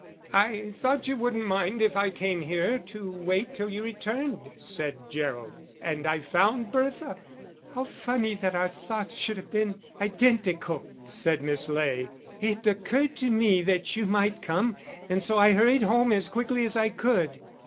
"I thought you wouldn't mind if I came here to wait till you returned," said Gerald. "And I found Bertha." "How funny that our thoughts should have been identical," said Miss Ley. "It occurred to me that you might come, and so I hurried home as quickly as I could."